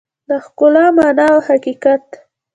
د ښکلا مانا او حقیقت